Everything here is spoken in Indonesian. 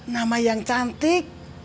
nama yang cantik